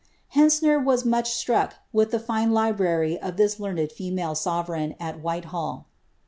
Henizner was much struck with the line library of this learned female sovereign, at Whitehall.